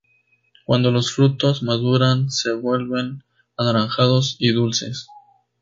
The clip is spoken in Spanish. Cuando los frutos maduran se vuelven anaranjados y dulces.